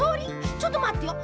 ちょっとまってよ。